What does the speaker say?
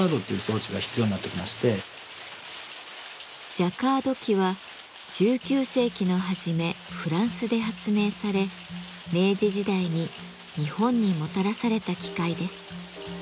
ジャカード機は１９世紀の初めフランスで発明され明治時代に日本にもたらされた機械です。